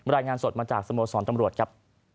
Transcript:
รายงานสดมาจากสโมสรตำรวจครับ